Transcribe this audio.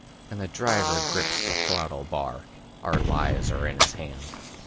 And the Driver grips the throttle bar; Our lives are in his hand.